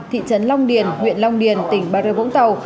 thị trấn long điền huyện long điền tỉnh bà rê vũng tàu